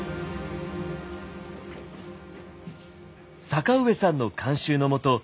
坂上さんの監修のもと